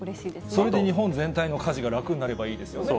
それで日本全体の家事が楽になればいいですよね。